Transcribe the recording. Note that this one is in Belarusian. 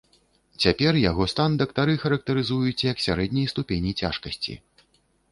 Цяпер яго стан дактары характарызуюць як сярэдняй ступені цяжкасці.